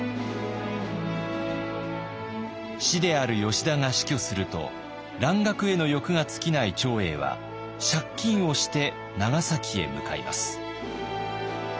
師である吉田が死去すると蘭学への欲が尽きない長英は借金をして長崎へ向かいます。